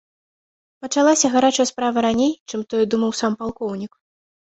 Пачалася гарачая справа раней, чым тое думаў сам палкоўнік.